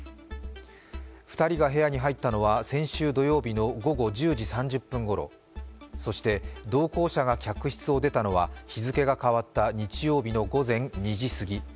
２人が部屋に入ったのは先週土曜日の午後１０時３０分ごろ、そして同行者が客室を出たのは日付が変わった日曜日の午前２時過ぎ。